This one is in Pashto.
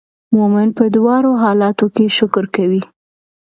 مؤمن په دواړو حالاتو کې شکر کوي.